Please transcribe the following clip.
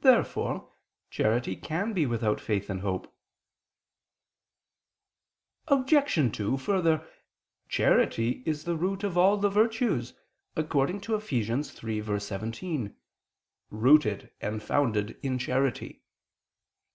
Therefore charity can be without faith and hope. Obj. 2: Further, charity is the root of all the virtues, according to Eph. 3:17: "Rooted and founded in charity."